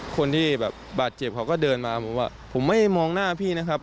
คนที่แบบบาดเจ็บเขาก็เดินมาบอกว่าผมไม่มองหน้าพี่นะครับ